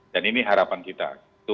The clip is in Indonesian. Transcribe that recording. dan ini harapan kita